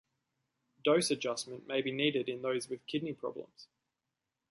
Dose adjustment may be needed in those with kidney problems.